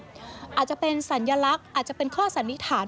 อาจจะเป็นสัญลักษณ์อาจจะเป็นข้อสันนิษฐาน